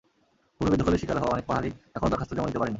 ভূমি বেদখলের শিকার হওয়া অনেক পাহাড়ি এখনো দরখাস্ত জমা দিতে পারেননি।